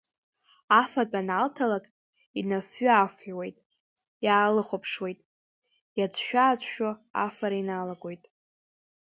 Афатә аналҭалак, инафҩы-аафыҩуеит, иаалыхәаԥшуеит, иацәшәа-ацәшәо афара иналагоит.